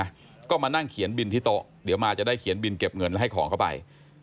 อ่ะก็มานั่งเขียนบินที่โต๊ะเดี๋ยวมาจะได้เขียนบินเก็บเงินแล้วให้ของเข้าไป